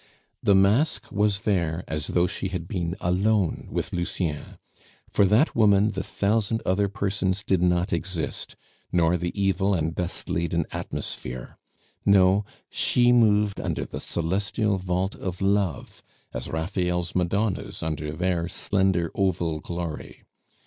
The mask was there as though she had been alone with Lucien; for that woman the thousand other persons did not exist, nor the evil and dust laden atmosphere; no, she moved under the celestial vault of love, as Raphael's Madonnas under their slender oval glory.